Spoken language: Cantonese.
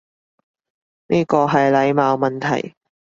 呢個係禮貌問題